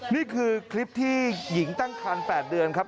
นี่คือคลิปที่หญิงตั้งคัน๘เดือนครับ